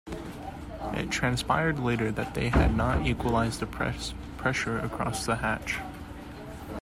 It transpired later that they had not equalized the pressure across the hatch.